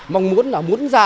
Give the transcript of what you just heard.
mong muốn là muốn ra